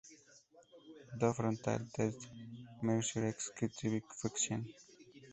Do frontal test measure executive function?